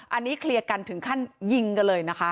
อันนี้เคลียร์กันถึงขั้นยิงกันเลยนะคะ